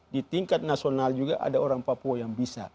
di tingkat nasional juga ada orang papua yang bisa